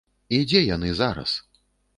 І дзе яны зараз?